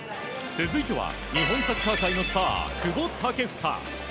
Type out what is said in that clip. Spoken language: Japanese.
続いては日本サッカー界のスター久保建英。